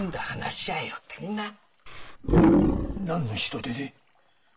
何の人手で？